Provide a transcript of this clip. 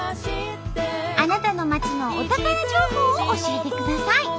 あなたの町のお宝情報を教えてください。